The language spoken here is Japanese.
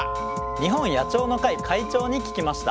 日本野鳥の会会長に聞きました。